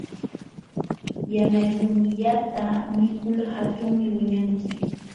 Yana yunyata mikul hatunmi wiñanki.